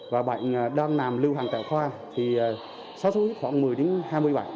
và bệnh đang nằm lưu hàng tại khoa thì sốt xuất huyết khoảng một mươi đến hai mươi bệnh